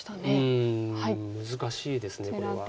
うん難しいですこれは。